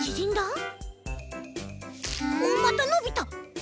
おまたのびた。